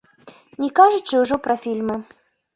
Не кажучы ўжо пра фільмы.